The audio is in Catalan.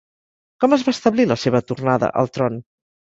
Com es va establir la seva tornada al tron?